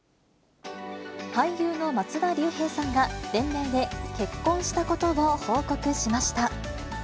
俳優の松田龍平さんが、連名で結婚したことを報告しました。